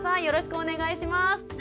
よろしくお願いします。